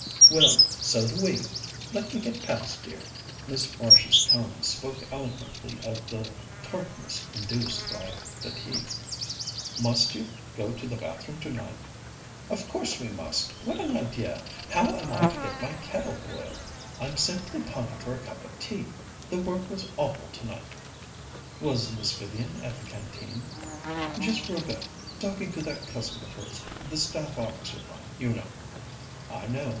"Well, so do we. Let me get past, dear." Miss Marsh's tones spoke eloquently of the tartness induced by fatigue. "Must you go to the bathroom tonight?" "Of course we must. What an idea! How am I to get my kettle boiled? I'm simply pining for a cup of tea; the work was awful tonight." "Was Miss Vivian at the Canteen?" "Just for a bit; talking to that cousin of hers the Staff Officer one, you know." "I know.